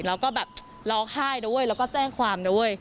แล้วก็แบบร้องไห้แล้วก็แจ้งความ